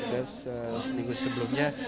petugas minggu sebelumnya